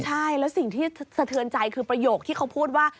ใช่แล้วสิ่งที่สะเทือนใจคือประโยคที่เขาพูดว่า